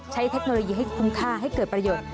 เทคโนโลยีให้คุ้มค่าให้เกิดประโยชน์